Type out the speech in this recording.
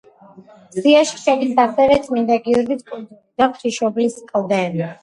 სიაში შედის ასევე წმინდა გიორგის კუნძული და ღვთისმშობლის კლდე.